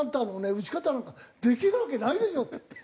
打ち方なんかできるわけないでしょ！」って言って。